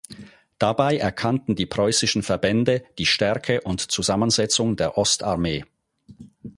Dabei erkannten die preußischen Verbände die Stärke und Zusammensetzung der Ostarmee.